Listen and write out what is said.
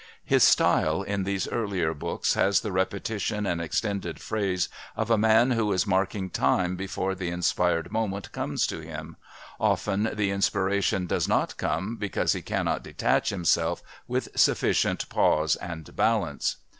His style, in these earlier books, has the repetitions and extended phrases of a man who is marking time before the inspired moment comes to him often the inspiration does not come because he cannot detach himself with sufficient pause and balance.